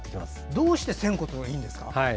どうして仙骨がいいんですか。